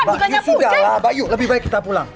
mbak yu sudah lah mbak yu lebih baik kita pulang